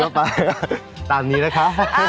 เด็กก็ไปตามนี้นะคะ